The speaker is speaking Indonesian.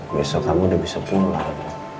besok kamu udah bisa pulang